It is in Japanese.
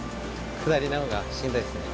下りのほうがしんどいっすね。